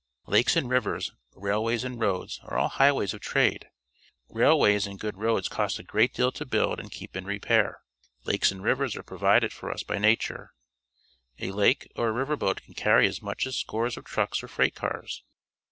Lakes and rivers, railways and roads are all highways of trade. Railways and The Union Station, Toronto good roads cost a great deal to build and keep in repair. Lakes and rivers are pro vided for us by nature. A lake or a river boat can carry as much as scores of trucks or freight cars.